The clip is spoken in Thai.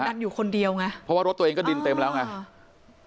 ดันอยู่คนเดียวไงเพราะว่ารถตัวเองก็ดินเต็มแล้วไงอ่า